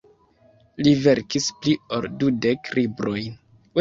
Li verkis pli ol dudek librojn.